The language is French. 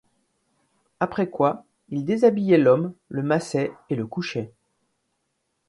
Après quoi il déshabillait l’homme, le massait et le couchait.